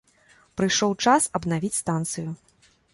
Прыйшоў час абнавіць станцыю.